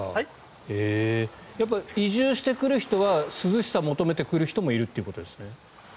移住してくる人は涼しさを求めて来る人もいるということですね？